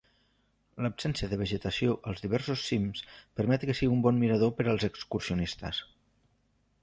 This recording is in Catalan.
L'absència de vegetació als diversos cims permet que sigui un bon mirador per als excursionistes.